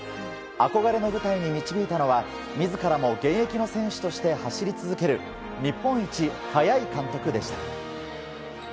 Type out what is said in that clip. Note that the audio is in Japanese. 憧れの舞台に導いたのは自らも現役の選手として走り続ける日本一速い監督でした。